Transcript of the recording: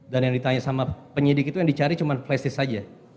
dan yang ditanya sama penyidik itu yang dicari cuma flash disk saja